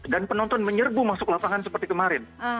dan penonton menyerbu masuk lapangan seperti kemarin